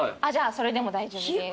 それでも大丈夫です。